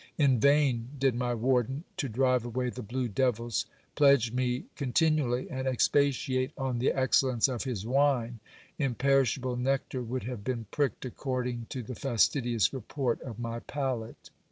In vain did my warden, to drive away the blue devils, pledge me continually, and expatiate on the ex cellence of his wine ; imperishable nectar would have been pricked according to the fastidious report of my palate.